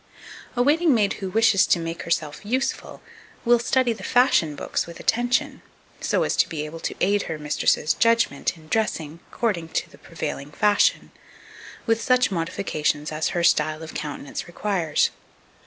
2263. A waiting maid, who wishes to make herself useful, will study the fashion books with attention, so as to be able to aid her mistress's judgment in dressing, according to the prevailing fashion, with such modifications as her style of countenance requires.